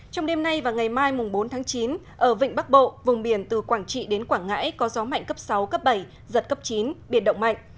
trong đêm nay và ngày mai bốn tháng chín ở vịnh bắc bộ vùng biển từ quảng trị đến quảng ngãi có gió mạnh cấp sáu cấp bảy giật cấp chín biệt động mạnh